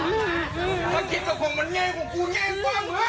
เกลียงใจไปนั่งไอ้ลูกมันน่ะ